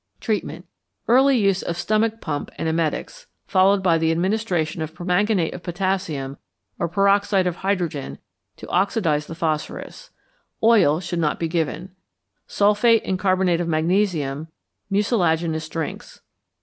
Treatment. Early use of stomach pump and emetics, followed by the administration of permanganate of potassium or peroxide of hydrogen to oxidize the phosphorus. Oil should not be given. Sulphate and carbonate of magnesium, mucilaginous drinks.